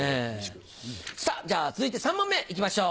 さぁじゃあ続いて３問目いきましょう。